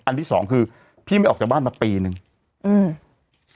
ที่สองคือพี่ไม่ออกจากบ้านมาปีหนึ่งอืม